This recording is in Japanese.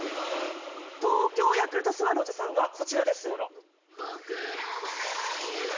東京ヤクルトスワローズさんはこちらです。